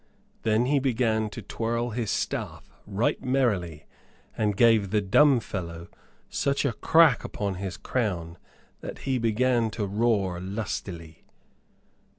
Then he began to twirl his staff right merrily, and gave the dumb fellow such a crack upon his crown that he began to roar lustily.